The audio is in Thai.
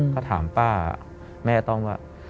ถ้าถามป้าแม่ต้องว่า